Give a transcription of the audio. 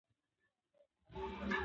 يواځې چلن نه